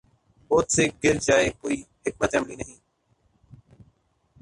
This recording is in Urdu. بوجھ سے گر جائے کوئی حکمت عملی نہیں